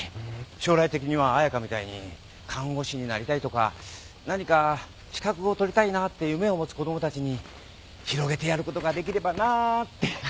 将来的には彩佳みたいに看護師になりたいとか何か資格を取りたいなって夢を持つ子供たちに広げてやることができればなあーって。